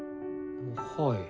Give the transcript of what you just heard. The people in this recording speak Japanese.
はい。